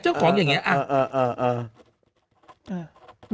จ้าของอย่างเงี้ยอะ